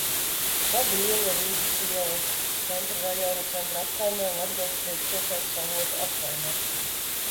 Stabu iela ir Rīgas iela, Centra rajona Centra apkaimē un Latgales priekšpilsētas Avotu apkaimē.